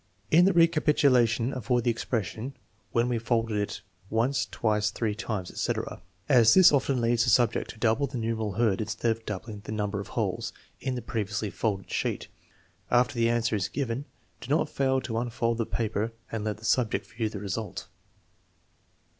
In the recapitulation avoid the expression " When we folded it once, twice, three times," etc., as this often leads the sub ject to double the numeral heard instead of doubling the number of holes in the previously folded sheet. After the answer is given, do not fail to unfold the paper and let the subject view the result.